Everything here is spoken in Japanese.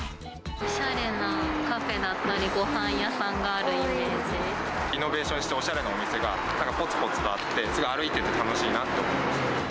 おしゃれなカフェだったり、リノベーションしたおしゃれなお店が、なんかぽつぽつとあって、すごい歩いてて楽しいなと思います。